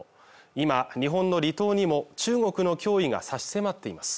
今日本の離島にも中国の脅威が差し迫っています